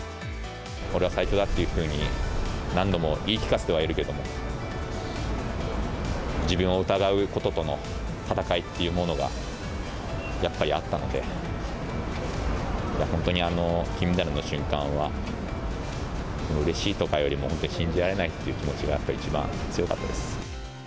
俺は最強だというふうに、何度も言い聞かせてはいるけども、自分を疑うこととの戦いっていうものがやっぱりあったんで、本当に、金メダルの瞬間は、うれしいとかよりも、本当に信じられないっていう気持ちが、やっぱり一番強かったです。